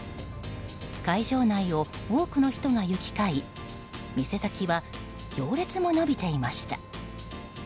会場内を多くの人が行き交い店先は、行列も延びていました。